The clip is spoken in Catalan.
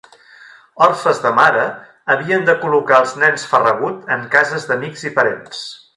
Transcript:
Orfes de mare, havien de col·locar els nens Farragut en cases d'amics i parents.